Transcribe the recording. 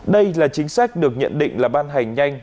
đây là chính sách được nhận định là ban hành nhanh